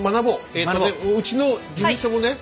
えとねうちの事務所もね